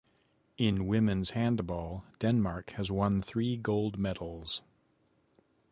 In women's handball Denmark has won three gold medals.